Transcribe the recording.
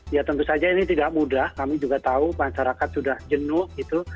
ya tentu saja ini tidak mudah kami juga tahu masyarakat sudah jenuh gitu